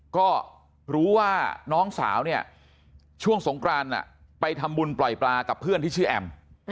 ก็รู้ว่าน้องสาวเนี่ยช่วงสงกรานไปทำบุญปล่อยปลากับเพื่อนที่ชื่อแอม